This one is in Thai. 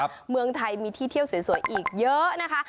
ก็มีเที่ยวสวยอีกเยอะนะคะ